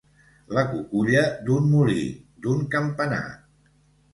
La cuculla d'un molí, d'un campanar.